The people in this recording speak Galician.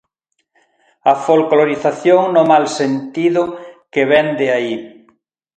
A folclorización no mal sentido que vén de aí.